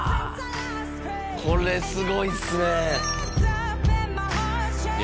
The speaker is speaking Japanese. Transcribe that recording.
これすごいっすねヤ